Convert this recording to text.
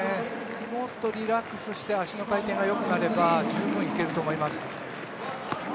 もっとリラックスして足の回転がよくなれば十分いけると思います。